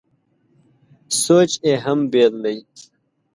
سوچ یې هم بېل دی.